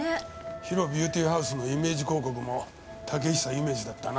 ＨＩＲＯビューティーハウスのイメージ広告も竹久夢二だったな。